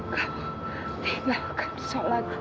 kau tinggalkan sholat